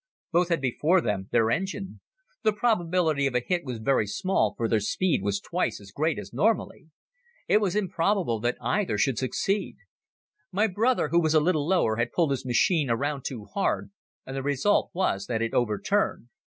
Both had before them their engine. The probability of a hit was very small for their speed was twice as great as normally. It was improbable that either should succeed. My brother, who was a little lower, had pulled his machine around too hard and the result was that it overturned.